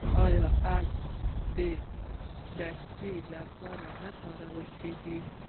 آیا اسنپ د ټکسي لپاره نه کارول کیږي؟